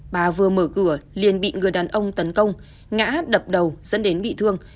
bà vừa mở cửa liền bị người đàn ông tấn công ngã đập đầu dẫn đến bị thương